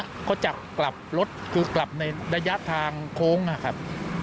เขาจะกลับรถคือกลับในระยะทางโค้งนะครับ